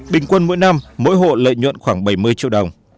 bình quân mỗi năm mỗi hộ lợi nhuận khoảng bảy mươi triệu đồng